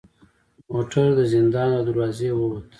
موټر د زندان له دروازې و وت.